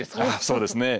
そうですね。